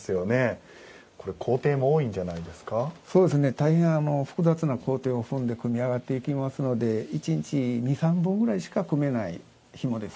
大変複雑な工程を踏んで組み上がっていきますので一日２３本ぐらいしか組めないひもです。